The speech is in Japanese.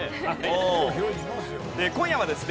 で今夜はですね